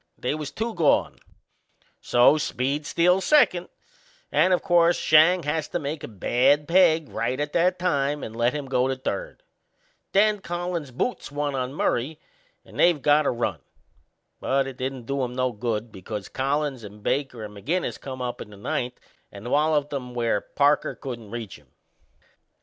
They was two gone; so Speed steals second, and, o' course, Schang has to make a bad peg right at that time and lets him go to third. Then Collins boots one on Murray and they've got a run. But it didn't do 'em no good, because Collins and Baker and McInnes come up in the ninth and walloped 'em where Parker couldn't reach 'em.